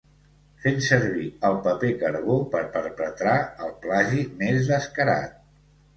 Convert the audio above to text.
Fent servir el paper carbó per perpetrar el plagi més descarat.